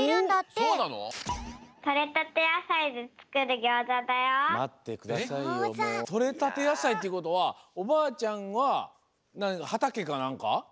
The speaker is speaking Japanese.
とれたてやさいってことはおばあちゃんははたけかなんか？